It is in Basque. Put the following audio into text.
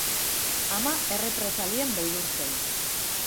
Ama errepresalien beldur zen.